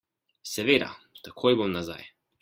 Seveda, takoj bom nazaj.